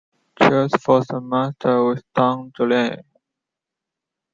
Choi's first master was Dong Ju Lee.